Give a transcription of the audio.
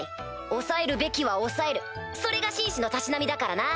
押さえるべきは押さえるそれが紳士のたしなみだからな！